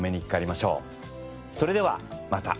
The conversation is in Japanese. それではまた。